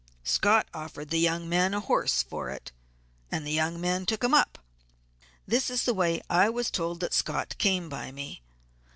Scott offered the young man a horse for it, and the young man took him up. This is the way I was told that Scott came by me.